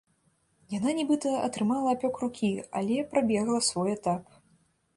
Яна, нібыта, атрымала апёк рукі, але прабегла свой этап.